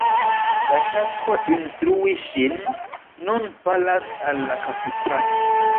La tasko instrui ŝin nun falas al la kapitano.